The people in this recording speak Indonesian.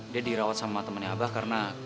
dia dirawat sama temannya abah karena